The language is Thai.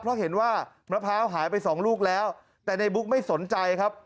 เพราะเห็นว่ามะพร้าวหายไปสองลูกแล้วแต่ในบุ๊กไม่สนใจครับ